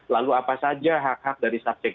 lalu apa saja hak hak dari subsek